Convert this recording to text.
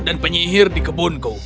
dan penyihir di kebunku